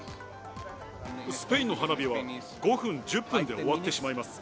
スペインの花火は５分、１０分で終わってしまいます。